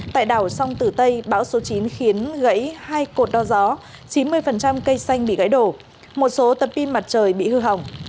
tại đảo song tử tây bão số chín khiến gãy hai cột đo gió chín mươi cây xanh bị gãy đổ một số tấm pin mặt trời bị hư hỏng